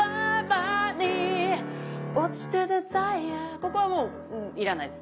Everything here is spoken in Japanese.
ここはもういらないです。